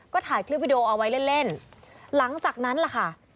ก็ถ่ายคลิปวิดีโอเอาไว้เล่นเล่นหลังจากนั้นล่ะค่ะ